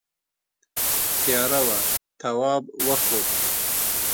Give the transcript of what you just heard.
تیاره وه تواب وخوت.